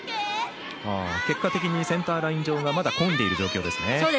結果的にセンターライン上がまだ混んでいる状況ですね。